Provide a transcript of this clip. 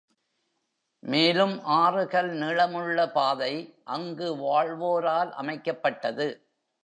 மேலும் ஆறு கல் நீளமுள்ள பாதை அங்கு வாழ்வோரால் அமைக்கப்பட்டது.